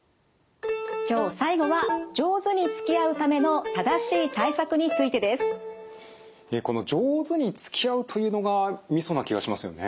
今日最後はこの「上手につきあう」というのがみそな気がしますよね。